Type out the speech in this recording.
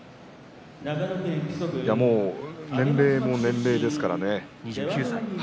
もう年齢も年齢ですからね。